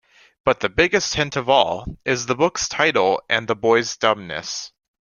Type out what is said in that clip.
But the biggest hint of all is the book's title and the boy's dumbness.